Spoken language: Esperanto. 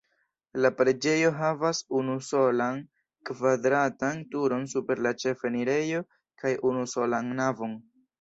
La preĝejo havas unusolan kvadratan turon super la ĉefenirejo kaj unusolan navon.